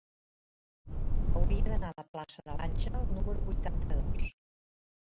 Hauria d'anar a la plaça de l'Àngel número vuitanta-dos.